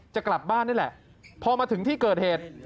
จะกลับบ้านนี่แหละพอมาถึงที่เกิดเหตุ